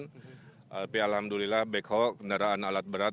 tapi alhamdulillah backhaul kendaraan alat berat